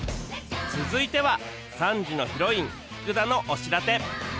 続いては３時のヒロイン福田の推しラテ